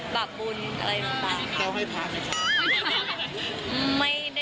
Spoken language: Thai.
บับบุญอะไรสุดน้ำ